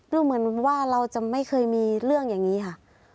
ดูเหมือนว่าเราจะไม่เคยมีเรื่องอย่างนี้ค่ะ